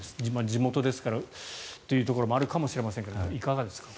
地元ですからというところもあるかもしれませんがいかがでしょうか。